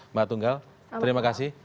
mbak tunggal terima kasih